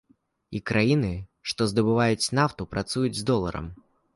І краіны, што здабываюць нафту, працуюць з доларам.